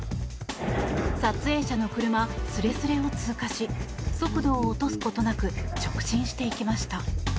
撮影者の車すれすれを通過し速度を落とすことなく直進していきました。